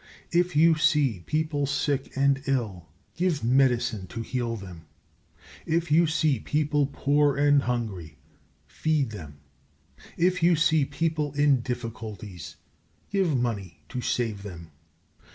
If you see people sick and ill, give medicine to heal them. If you see people poor and hungry, feed them. If you see people in difficulties, give money to save them.